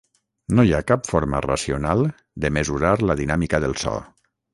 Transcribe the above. No hi ha cap forma racional de mesurar la dinàmica del so.